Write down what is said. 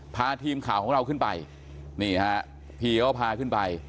พาทีมข่าวของเราขึ้นไปนี่ฮะพี่เขาพาขึ้นไป